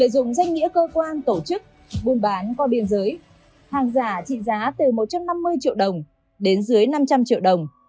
đến dưới năm trăm linh triệu đồng